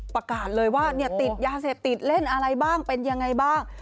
ประกาศเลยว่าติดยาเสพติดเล่นอะไรบ้างเป็นยังไงบ้าง